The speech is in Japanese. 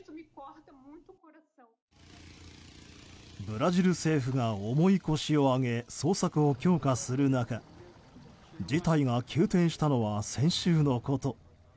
ブラジル政府が重い腰を上げ捜索を強化する中事態が急転したのは先週のこと。